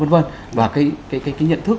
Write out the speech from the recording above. và cái nhận thức